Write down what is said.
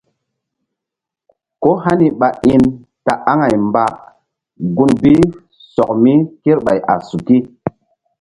Ko hani ɓa in ta aŋay mba gun bi sɔk mi kerɓay a suki.